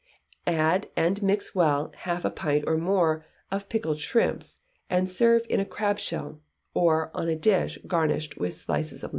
Add and mix well half a pint or more of pickled shrimps, and serve in a crab shell, or on a dish, garnished with slices of lemon.